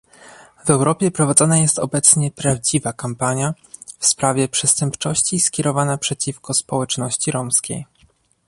W Europie prowadzona jest obecnie prawdziwa kampania w sprawie przestępczości skierowana przeciwko społeczności romskiej